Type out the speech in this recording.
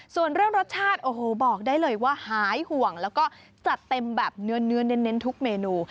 ส่วนเรื่องรสชาติโอ้โหบอกได้เลยว่าหายห่วงแล้วก็จัดเต็มแบบเนื้อเน้นทุกเมนู